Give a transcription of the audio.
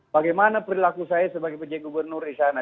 bagaimana perilaku saya sebagai penjaga gubernur di sana